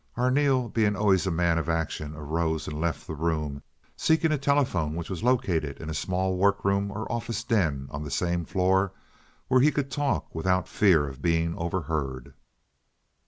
Arneel, being always a man of action, arose and left the room, seeking a telephone which was located in a small workroom or office den on the same floor, where he could talk without fear of being overheard.